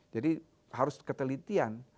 jadi harus ketelitian